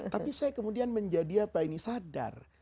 tapi saya kemudian menjadi apa ini sadar